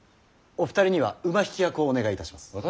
お二人には馬引き役をお願いいたします。